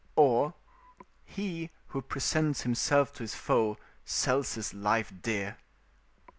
or: "He who presents himself to his foe, sells his life dear."